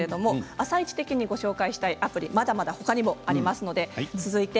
「あさイチ」的にご紹介したいアプリ、まだまだあります。